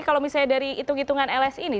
kalau misalnya dari hitung hitungan lsi ini